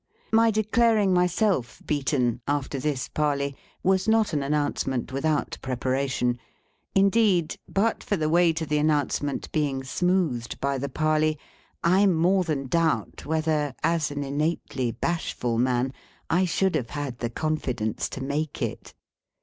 My declaring myself beaten, after this parley, was not an announcement without preparation. Indeed, but for the way to the announcement being smoothed by the parley, I more than doubt whether, as an innately bashful man, I should have had the confidence to make it.